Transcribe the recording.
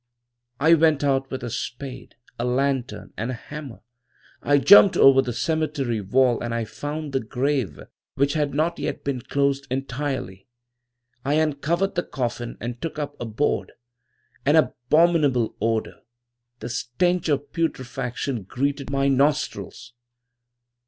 "I went out with a spade, a lantern and a hammer; I jumped over the cemetery wall and I found the grave, which had not yet been closed entirely; I uncovered the coffin and took up a board. An abominable odor, the stench of putrefaction, greeted my nostrils.